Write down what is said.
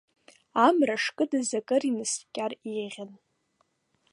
Амра шкыдыз акыр инаскьар еиӷьын.